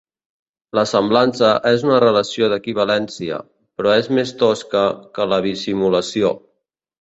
La semblança és una relació d'equivalència, però és més tosca que la bisimulació.